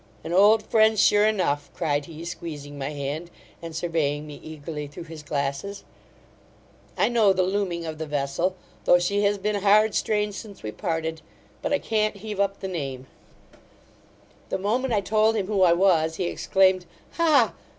'An old friend, sure enough! (cried he, squeezing my hand, and surveying me eagerly through his glasses) I know the looming of the vessel, though she has been hard strained since we parted; but I can't heave up the name' The moment I told him who I was, he exclaimed, 'Ha!